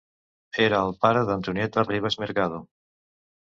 Era el pare de Antonieta Rivas Mercado.